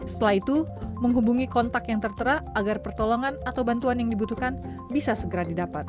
setelah itu menghubungi kontak yang tertera agar pertolongan atau bantuan yang dibutuhkan bisa segera didapat